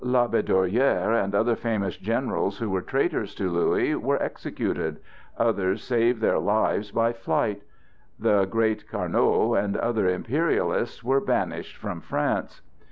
Labédoyère and other famous generals who were traitors to Louis were executed; others saved their lives by flight. The great Carnot and other Imperialists were banished from France.